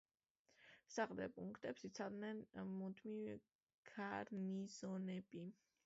საყრდენ პუნქტებს იცავდნენ მუდმივი გარნიზონები.